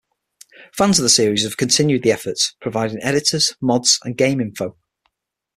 Fans of the series have continued the efforts, providing editors, mods and game info.